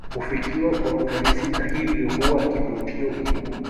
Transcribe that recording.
Hufikiwa kwa urahisi na hivyo huwa kivutio kikubwa